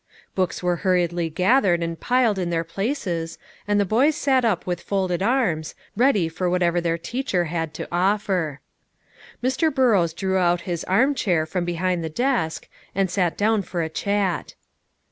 Books were hurriedly gathered and piled in their places, and the boys sat up with folded arms, ready for whatever their teacher had to offer. Mr. Burrows drew out his arm chair from behind the desk, and sat down for a chat.